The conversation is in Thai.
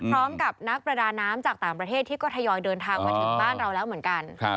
นักประดาน้ำจากต่างประเทศที่ก็ทยอยเดินทางมาถึงบ้านเราแล้วเหมือนกัน